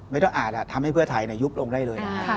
ไม่ต้องอาจทำให้เพื่อไทยยุบลงได้เลยนะฮะ